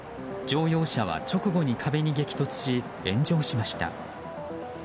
乗用車は直後に壁に激突し炎上しました。